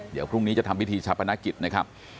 เดี๋ยวพรุ่งนี้จะทำพิธีชาปนกิจนะครับ